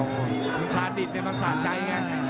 คุณศาสตร์ดิดคุณศาสตร์ใจเนี่ย